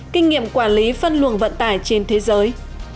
kinh nghiệm quản lý phân luồng vận tải trên thế giới